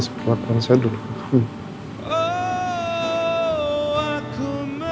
ku yakin kau tahu